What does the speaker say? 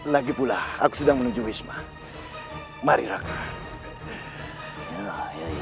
lagipula aku sudah menuju wisma mari raka